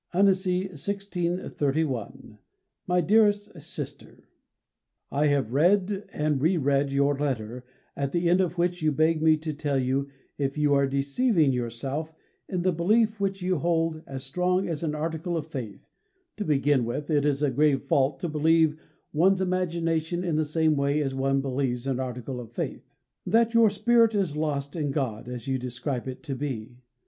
_ Vive [+] Jésus! ANNECY, 1631. MY DEAREST SISTER, I have read and re read your letter, at the end of which you beg of me to tell you if you are deceiving yourself in the belief which you hold as strong as an article of faith (to begin with, it is a grave fault to believe one's imagination in the same way as one believes an article of faith) that your spirit is lost in God, as you describe it to be.